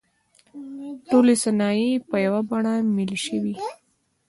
ټولې صنایع په یوه بڼه ملي شوې.